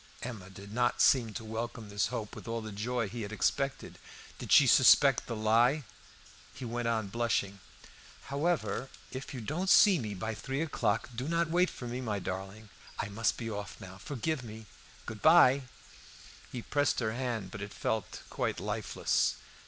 Emma did not seem to welcome this hope with all the joy he had expected. Did she suspect the lie? He went on, blushing "However, if you don't see me by three o'clock do not wait for me, my darling. I must be off now; forgive me! Goodbye!" He pressed her hand, but it felt quite lifeless.